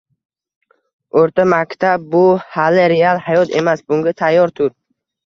O‘rta maktab – bu hali real hayot emas. Bunga tayyor tur.